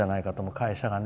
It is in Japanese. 会社がね。